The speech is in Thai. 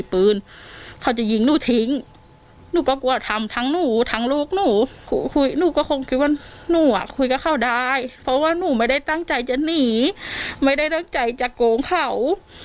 เพราะว่าหนูไม่ได้ตั้งใจจะหนีไม่ได้ตั้งใจจะโกงเขา